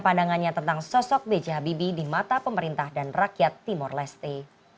pandangannya tentang sosok b j habibie di mata pemerintah dan rakyat timur leste